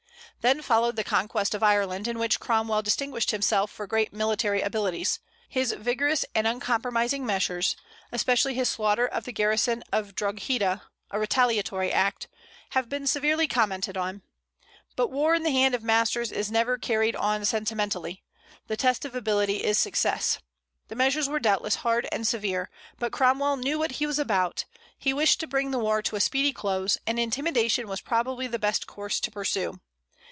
Then followed the conquest of Ireland, in which Cromwell distinguished himself for great military abilities. His vigorous and uncompromising measures, especially his slaughter of the garrison of Drogheda (a retaliatory act), have been severely commented on. But war in the hands of masters is never carried on sentimentally: the test of ability is success. The measures were doubtless hard and severe; but Cromwell knew what he was about: he wished to bring the war to a speedy close, and intimidation was probably the best course to pursue.